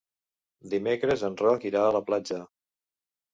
Dimecres en Roc irà a la platja.